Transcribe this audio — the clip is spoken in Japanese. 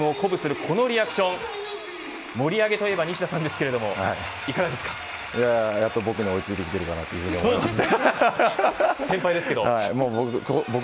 こちらこのセットチームを鼓舞するこのリアクション盛り上げといえば西田さんですけどもやっと僕に追いついてきてるなあというふうに思いますね。